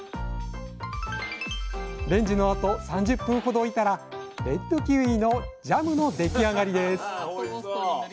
レンジのあと３０分ほど置いたらレッドキウイのジャムの出来上がりです。